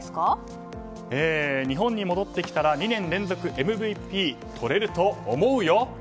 日本に戻ってきたら２年連続ＭＶＰとれると思うよ！と。